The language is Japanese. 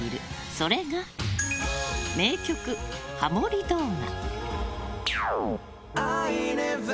それが、名曲ハモリ動画！